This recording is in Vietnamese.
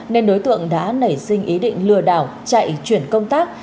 nên đối tượng đã nảy sinh ý định lừa đảo chạy chuyển công tác